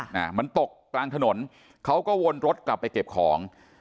น่ะมันตกกลางถนนเขาก็วนรถกลับไปเก็บของ